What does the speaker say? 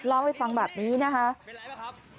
เล่าให้ฟังแบบนี้นะครับ